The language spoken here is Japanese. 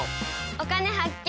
「お金発見」。